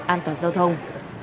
an toàn giao thông